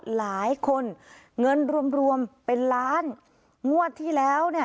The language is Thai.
หลายคนเงินรวมรวมเป็นล้านงวดที่แล้วเนี่ย